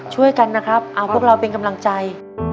ช่วยกันนะครับเอาพวกเราเป็นกำลังใจ